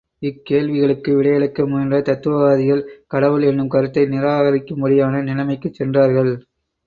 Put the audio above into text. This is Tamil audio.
இக்கேள்விகளுக்கு விடையளிக்க முயன்ற தத்துவவாதிகள் கடவுள் என்னும் கருத்தை நிராகரிக்கும்படியான நிலைமைக்குச் சென்றார்கள்.